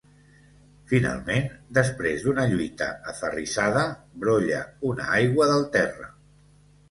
Finalment, després d’una lluita aferrissada, brolla una aigua del terra.